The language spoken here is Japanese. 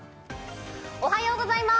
おはようございます！